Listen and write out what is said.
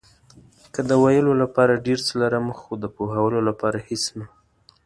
کله د ویلو لپاره ډېر څه لرم، خو د پوهولو لپاره هېڅ نه.